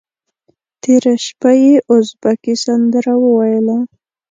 تېره شپه یې ازبکي سندره وویله.